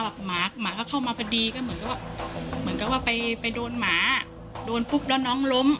แบบหมาหมาก็เข้ามาพอดีก็เหมือนกันว่าไปโดนหมาโดนปุ๊บแล้วน้องล้ม